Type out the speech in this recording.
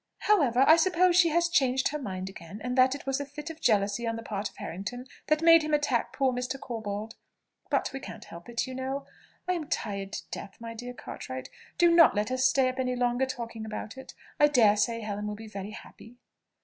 However, I suppose she has changed her mind again, and that it was a fit of jealousy on the part of Harrington that made him attack poor Mr. Corbold. But we can't help it, you know. I am tired to death, my dear Cartwright; do not let us stay up any longer talking about it; I dare say Helen will be very happy."